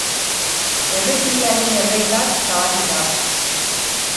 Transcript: Errepidearen errei bat zabalik dago.